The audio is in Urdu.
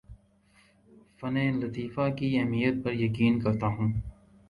فنون لطیفہ کی اہمیت پر یقین کرتا ہوں